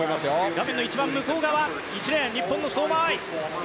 画面の一番向こう側１レーン、日本の相馬あい。